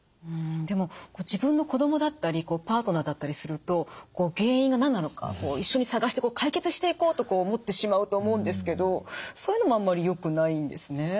うんでも自分の子供だったりパートナーだったりすると原因が何なのか一緒に探して解決していこうと思ってしまうと思うんですけどそういうのもあんまりよくないんですね。